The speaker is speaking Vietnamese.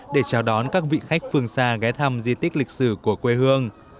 để chào đón các vị khách phương xa ghé thăm di tích lịch sử của quê hương